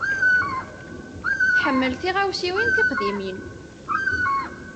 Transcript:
Tḥemmel tiɣawsiwin tiqdimin.